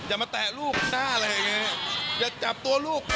อย่ามาแตะลูกหน้าอย่าจะจับตัวลูก